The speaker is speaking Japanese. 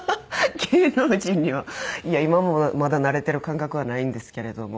いや今もまだなれてる感覚はないんですけれども。